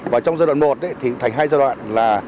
và trong giai đoạn một thì thành hai giai đoạn là